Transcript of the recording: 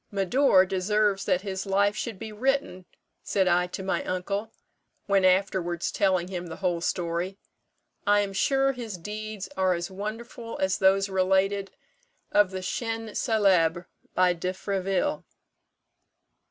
'Médor deserves that his life should be written,' said I to my uncle, when afterwards telling him the whole story; 'I am sure his deeds are as wonderful as those related of the 'Chiens célèbres' by De Fréville.'